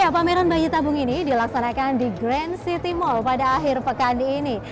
pameran bayi tabung ini dilaksanakan di grand city mall pada akhir pekan ini